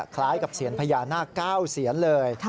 คล้ายกับเสียญพญานาค๙เสียนเลย